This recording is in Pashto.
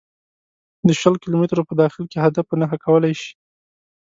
د شل کیلو مترو په داخل کې هدف په نښه کولای شي